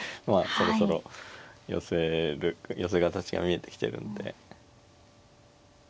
まあそろそろ寄せ形が見えてきてるんで。